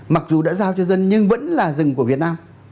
mặc dù đã giao cho dân nhưng vẫn là rừng của việt nam